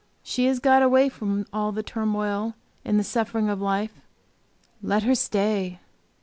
She has got away from all the turmoil and suffering of life; let her stay!